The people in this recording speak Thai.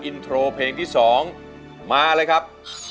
อินโทรเพลงที่๒มาเลยครับ